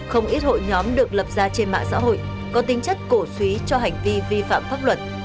không ít hội nhóm được lập ra trên mạng xã hội có tính chất cổ suý cho hành vi vi phạm pháp luật